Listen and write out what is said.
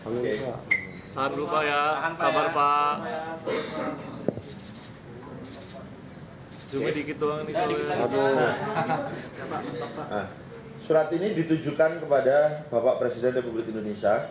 surat ini ditujukan kepada bapak presiden republik indonesia